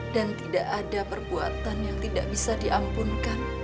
dan tidak ada perbuatan yang tidak bisa diampunkan